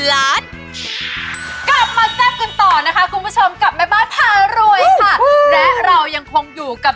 เจ้าของบุรกฤตปราสอะไรคะ